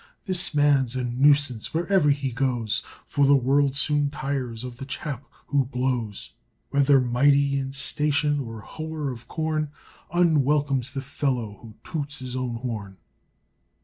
This man's a nuisance wherever he goes, For the world soon tires of the chap who blows. Whether mighty in station or hoer of corn, Unwelcome's the fellow who toots his own horn.